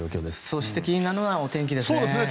そして、気になるのがお天気ですね。